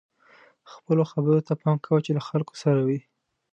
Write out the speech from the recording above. خپلو خبرو ته پام کوه چې له خلکو سره وئ.